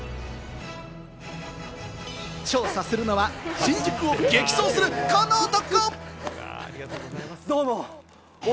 調査するのは新宿を激走する、この男！